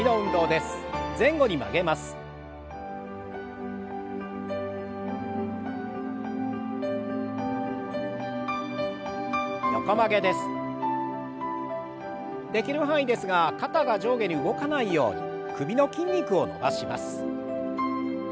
できる範囲ですが肩が上下に動かないように首の筋肉を伸ばします。